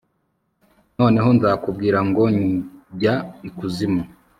noneho nzakubwira ngo jya ikuzimu